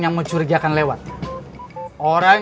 ya udah aku mau pulang